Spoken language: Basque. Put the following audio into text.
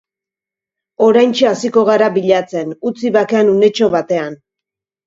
Oraintxe hasiko gara bilatzen, utzi bakean unetxo batean.